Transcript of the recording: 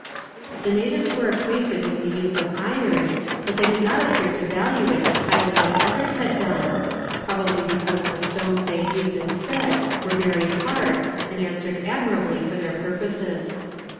] The natives were acquainted with the use of iron, but they did not appear to value it as highly as others had done, probably because the stones they used instead were very hard and answered admirably for their purposes.